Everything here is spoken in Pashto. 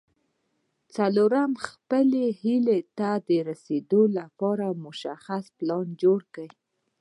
څلورم خپلې هيلې ته د رسېدو لپاره مشخص پلان جوړ کړئ.